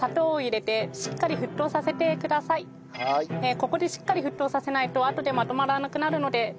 ここでしっかり沸騰させないとあとでまとまらなくなるので。